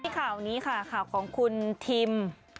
ข่าวนี้ค่ะข่าวของคุณทิม